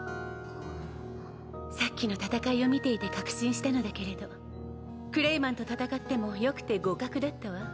さっきの戦いを見ていて確信したのだけれどクレイマンと戦っても良くて互角だったわ。